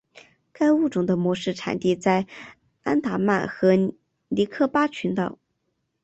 该物种的模式产地在安达曼和尼科巴群岛。